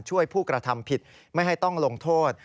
ผู้กระทำผิดไม่ให้ต้องลงโทษ